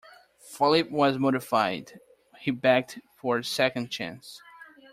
Philip was mortified. He begged for a second chance.